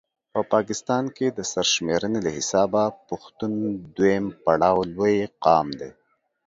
په پاکستان کې د سر شميرني له حسابه پښتون دویم پړاو لوي قام دی